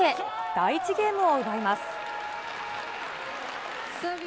第１ゲームを奪います。